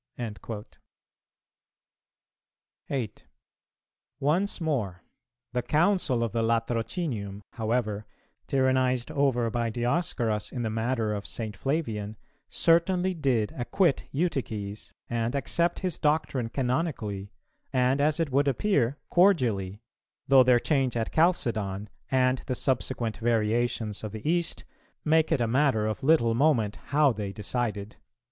"[304:3] 8. Once more; the Council of the Latrocinium, however, tyrannized over by Dioscorus in the matter of St. Flavian, certainly did acquit Eutyches and accept his doctrine canonically, and, as it would appear, cordially; though their change at Chalcedon, and the subsequent variations of the East, make it a matter of little moment how they decided.